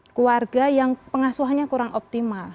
keluarga yang pengasuhannya kurang optimal